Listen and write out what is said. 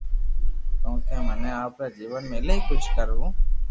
ڪونڪھ مني آپرا جيون ۾ ايلائي ڪجھ ڪروو